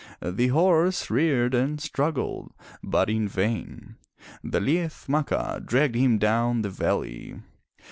The horse reared and struggled, but in vain. The Liath Macha dragged him down the valley.